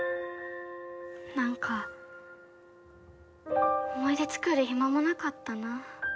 何か思い出作る暇もなかったなあ。